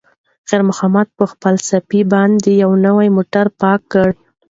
خیر محمد په خپلې صافې باندې یو نوی موټر پاک کړ.